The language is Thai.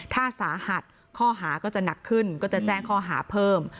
ถ้าสาหัสข้อหาก็จะหนักขึ้นก็จะแจ้งข้อหาเพิ่ม